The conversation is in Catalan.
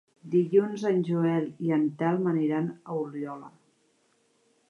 Dilluns en Joel i en Telm aniran a Oliola.